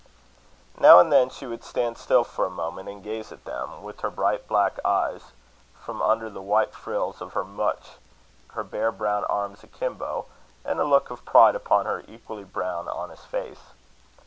Now and then she would stand still for a moment, and gaze at them, with her bright black eyes, from under the white frills of her mutch, her bare brown arms akimbo, and a look of pride upon her equally brown honest face.